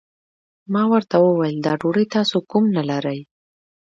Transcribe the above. ما ورته وويل دا ډوډۍ تاسو کوم نه لرئ؟